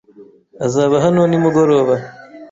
Azaba hano nimugoroba.